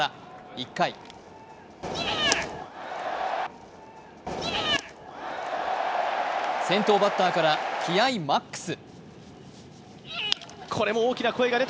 １回、先頭バッターから気合いマックス。